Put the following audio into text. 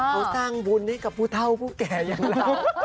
เขาสร้างบุญให้กับผู้เท่าผู้แก่อย่างเรา